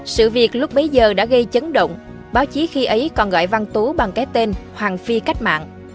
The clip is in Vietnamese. sự việc lúc bấy giờ đã gây chấn động báo chí khi ấy còn gọi văn tú bằng cái tên hoàng phi cách mạng